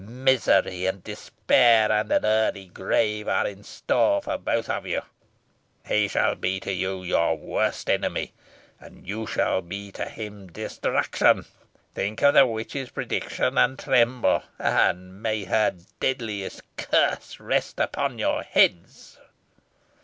Misery and despair, and an early grave, are in store for both of you. He shall be to you your worst enemy, and you shall be to him destruction. Think of the witch's prediction and tremble, and may her deadliest curse rest upon your heads."